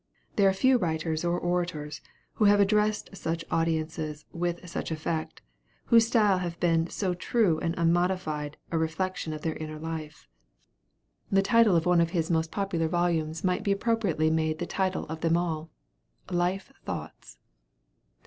There are few writers or orators who have addressed such audiences with such effect, whose style has been so true and unmodified a reflection of their inner life. The title of one of his most popular volumes might be appropriately made the title of them all 'Life Thoughts.'